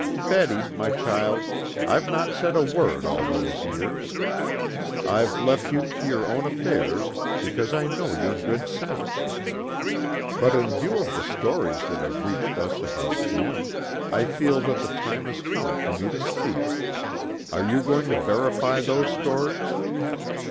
Betty, my child, I've not said a word all these years. I've left you to your own affairs because I know your good sense; but, in view of the stories that have reached us about Jim, I feel that the time has come for me to speak. Are you going to verify those stories?"